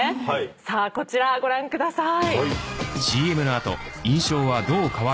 さあこちらご覧ください。